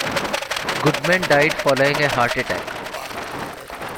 Goodman died following a heart attack.